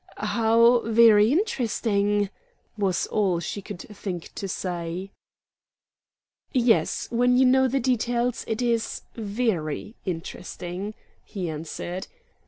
"How very interesting!" was all she could think to say. "Yes, when you know the details, it is, VERY interesting," he answered.